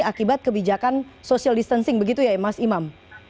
akibat kebijakan social distancing begitu ya mas imam